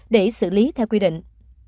để xử lý theo quy định